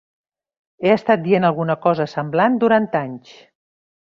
He estat dient alguna cosa semblant durant anys.